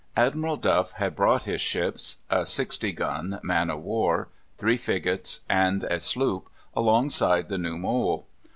Admiral Duff had brought his ships a sixty gun man of war, three frigates, and a sloop alongside the New Mole.